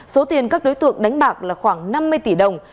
số tiền các đối tượng đánh bạc là khoảng năm mươi tỷ đồng